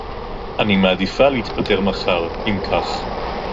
אני מעדיפה להתפטר מחר, אם כך.